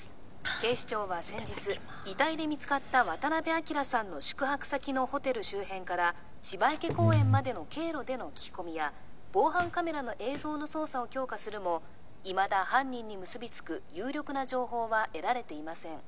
警視庁は先日あっいただきます遺体で見つかった渡辺昭さんの宿泊先のホテル周辺から芝池公園までの経路での聞き込みや防犯カメラの映像の捜査を強化するもいまだ犯人に結びつく有力な情報は得られていません